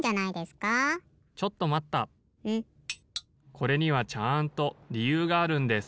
・これにはちゃんとりゆうがあるんです。